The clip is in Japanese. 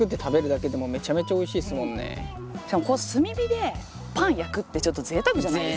しかも炭火でパン焼くってちょっとぜいたくじゃないですか。